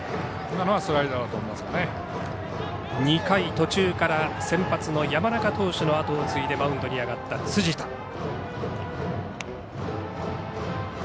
２回途中から先発の山中投手の後を継いでマウンドに上がった辻田。